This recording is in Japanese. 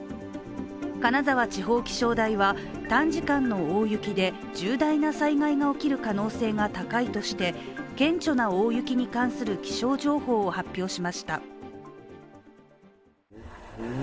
金沢地方気象台は、短時間の大雪で重大な災害が起きる可能性が高いとして顕著な大雪に関する気象情報を発表しました。